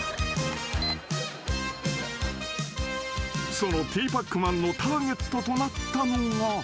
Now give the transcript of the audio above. ［そのティーパックマンのターゲットとなったのが］